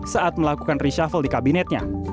saat melakukan reshuffle di kabinetnya